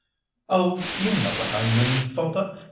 "Oh, you know what I mean, father!